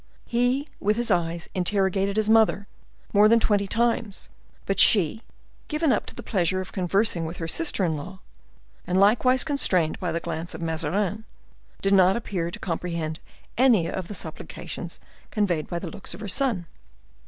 He with his eyes interrogated his mother more than twenty times: but she, given up to the pleasure of conversing with her sister in law, and likewise constrained by the glance of Mazarin, did not appear to comprehend any of the supplications conveyed by the looks of her son.